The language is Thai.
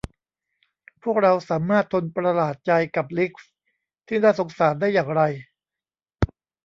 พวกเราสามารถทนประหลาดใจกับริกซ์ที่น่าสงสารได้อย่างไร